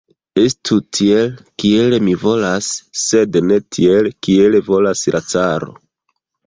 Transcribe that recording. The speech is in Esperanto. Estu tiel, kiel mi volas, sed ne tiel, kiel volas la caro!